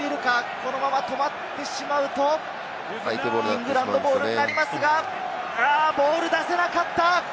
このまま手が止まってしまうとイングランドボールになりますが、ボールを出せなかった。